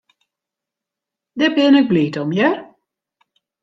Dêr bin ik bliid om, hear.